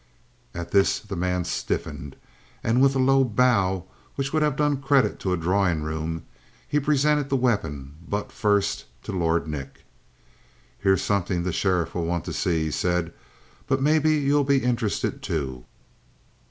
At this the man stiffened, and with a low bow which would have done credit to a drawing room, he presented the weapon butt first to Lord Nick. "Here's something the sheriff will want to see," he said, "but maybe you'll be interested, too."